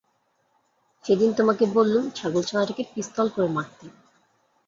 সেদিন তোমাকে বললুম, ছাগলছানাটাকে পিস্তল করে মারতে।